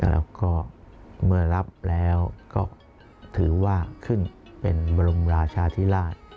แล้วก็เมื่อรับแล้วก็ถือว่าขึ้นเป็นบรมราชาธิราช